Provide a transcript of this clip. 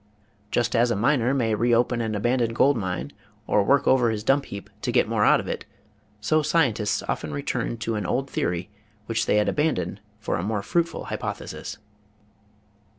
Just as a miner may reopen an aban doned gold mine or work over his dump heap to get more out of it, so scientists often return to an old theory which they had abandoned for a more fruitful hypothesis.